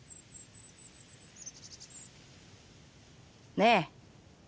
ねえ。